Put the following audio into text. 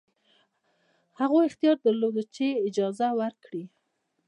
هغوی اختیار درلود چې اجازه ورکړي.